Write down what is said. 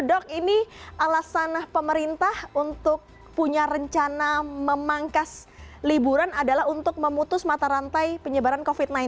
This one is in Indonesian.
dok ini alasan pemerintah untuk punya rencana memangkas liburan adalah untuk memutus mata rantai penyebaran covid sembilan belas